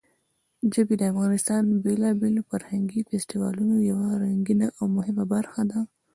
ژبې د افغانستان د بېلابېلو فرهنګي فستیوالونو یوه رنګینه او مهمه برخه ده.